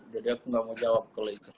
jadi aku nggak mau jawab kalau itu